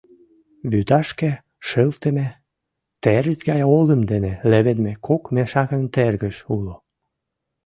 Вӱташке шылтыме, терыс гай олым дене леведме кок мешакым тергыш — уло.